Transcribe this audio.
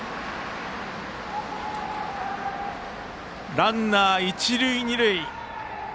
ランナー、一塁二塁。